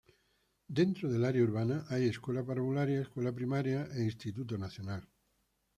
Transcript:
Dentro del área urbana hay: Escuela Parvularia, Escuela Primaria, e Instituto Nacional.